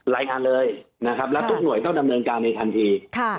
รายงานเลยนะครับแล้วทุกหน่วยต้องดำเนินการในทันที